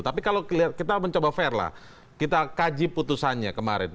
tapi kalau kita mencoba fair lah kita kaji putusannya kemarin